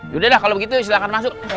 yaudahlah kalau begitu silahkan masuk